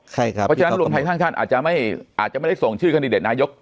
เพราะฉะนั้นรวมไทยสร้างชาติอาจจะไม่ได้ส่งชื่อคันดิเดตนายก